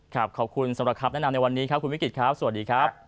ขอบคุณสำหรับคำแนะนำในวันนี้ครับคุณวิกฤตครับสวัสดีครับ